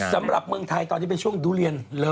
สำหรับเมืองไทยตอนนี้เป็นช่วงดูเลียนเลอเบอร์